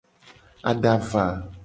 Adava.